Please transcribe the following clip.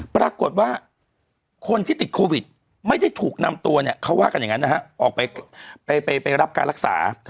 ปรากฏว่าคนที่ติดโควิดไม่ได้ถูกนำตัวเนี่ยเขาว่ากันอย่างนั้นนะฮะออกไปรับการรักษา